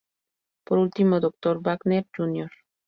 Por último, Dr. Wagner Jr.